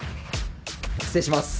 失礼します。